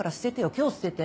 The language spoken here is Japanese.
今日捨てて。